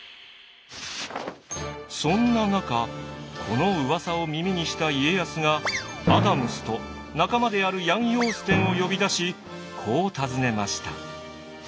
そんな中このうわさを耳にした家康がアダムスと仲間であるヤン・ヨーステンを呼び出しこう尋ねました。